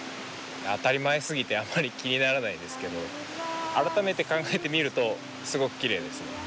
当たり前すぎてあんまり気にならないんですけど改めて考えてみるとすごくきれいですね。